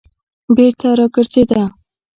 بېرته راگرځېده.